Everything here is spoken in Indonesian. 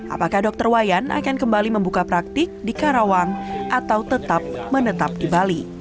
apakah dokter wayan akan kembali membuka praktik di karawang atau tetap menetap di bali